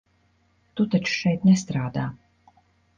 Tu taču šeit nestrādā?